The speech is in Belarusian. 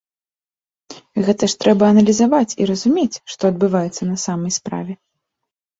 Гэта ж трэба аналізаваць і разумець, што адбываецца на самай справе.